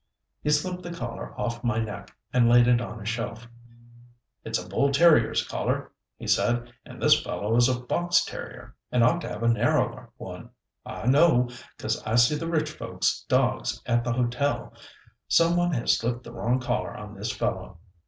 He slipped the collar off my neck, and laid it on a shelf. "It's a bull terrier's collar," he said, "and this fellow is a fox terrier, and ought to have a narrower one. I know, 'cause I see the rich folks' dogs at the hotel. Some one has slipped the wrong collar on this fellow.